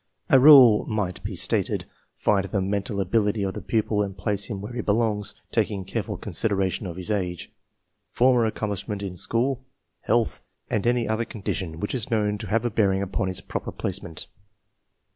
rAjailemight be stated,\ Find the mental ability of the^ ^pupil and place him where ne belongs , taking careful consideration of his age, form er acco mplishxngnt in TMSfrooE JiS&lJJi, and any othefcondition which is known to have a bearing upon his proper placement."